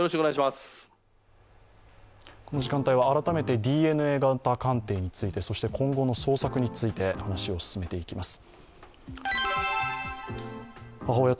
この時間帯は改めてＤＮＡ型鑑定についてそして今後の捜索について話を進めていきます。